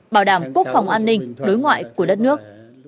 bảo đảm quốc phòng an ninh đối ngoại của đất nước